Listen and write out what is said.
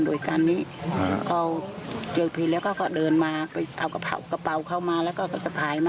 ได้กินค่ะตอนคืนกินแต่ตอนเช้ามาทำงานอีกกิน